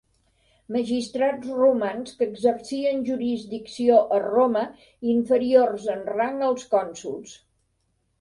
Magistrats romans que exercien jurisdicció a Roma, inferiors en rang als cònsols.